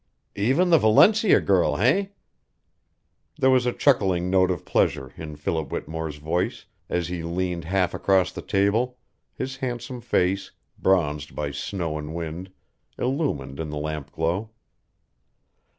"Even the Valencia girl, eh?" There was a chuckling note of pleasure in Philip Whittemore's voice as he leaned half across the table, his handsome face, bronzed by snow and wind, illumined in the lamp glow.